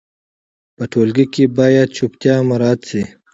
په ټولګي کې باید چوپتیا مراعت سي.